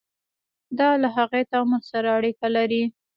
دا له هغې تعامل سره اړیکه لري.